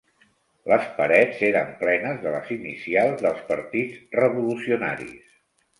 Les parets eren plenes de les inicials dels partits revolucionaris